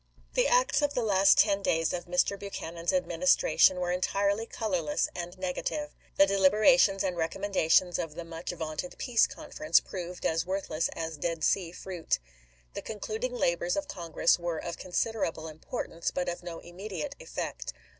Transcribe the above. The acts of the last ten days of Mr. Buchanan's Administration were entirely colorless and nega tive. The deliberations and recommendations of the much vaunted Peace Conference proved as worth less as Dead Sea fruit. The concluding labors of Congress were of considerable importance, but of no immediate effect.